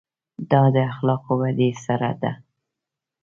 دا د اخلاقو ودې سره ده.